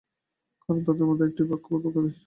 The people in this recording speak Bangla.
কারণ তাদের মাথায় একটি বাক্যই বারবার ঘুরপাক খায়।